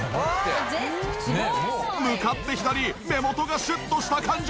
向かって左目元がシュッとした感じ。